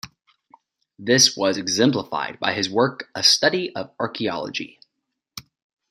This was exemplified by his work "A Study of Archeology".